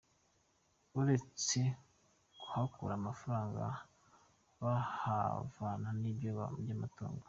Uretse kuhakura amafaranga, bahavana n’ibiryo by’amatungo.